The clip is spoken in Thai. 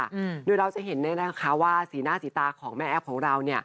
เดี๋ยวเราจะเห็นแน่นว่าสีหน้าสีตาของแม่แอ๊บของเรา